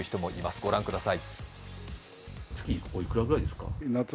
ご覧ください。